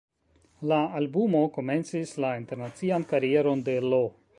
La albumo komencis la internacian karieron de Lo.